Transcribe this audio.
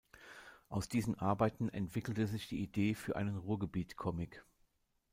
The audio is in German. Aus diesen Arbeiten entwickelte sich die Idee für einen Ruhrgebiet-Comic.